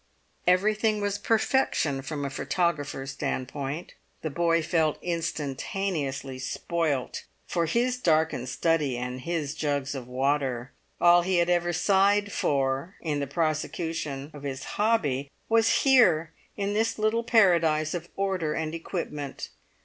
Everything was perfection from a photographer's standpoint; the boy felt instantaneously spoilt for his darkened study and his jugs of water. All he had ever sighed for in the prosecution of his hobby was here in this little paradise of order and equipment.